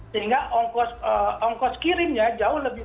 sehingga ongkos kirimnya jauh lebih